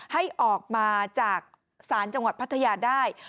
ให้ออกมาจากศาลจังหวัดพัทยาได้